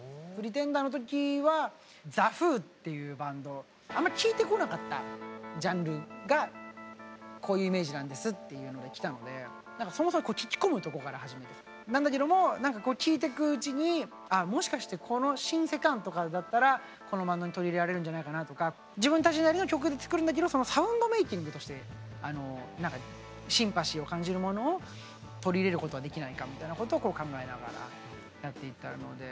「Ｐｒｅｔｅｎｄｅｒ」の時はザ・フーっていうバンドあんま聴いてこなかったジャンルが「こういうイメージなんです」っていうので来たのでそもそも聴き込むとこから始めてなんだけども聴いていくうちにあもしかしてこのシンセ感とかだったらこのバンドに取り入れられるんじゃないかなとか自分たちなりの曲で作るんだけどサウンドメーキングとしてシンパシーを感じるものを取り入れることはできないかみたいなことを考えながらやっていったので。